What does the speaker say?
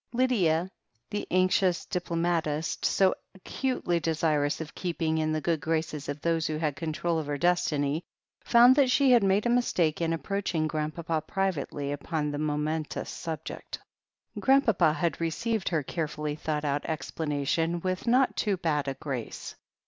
Lydia, the anxious diplomatist, so acutely desirous of keeping in the good graces of those who had control of her destiny, found that she had made a mistake in approaching Grandpapa privately upon the momen tous subject. Grandpapa, indeed, had received her carefully thought out explanation with not too bad a grace.